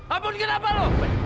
ampun kenapa lo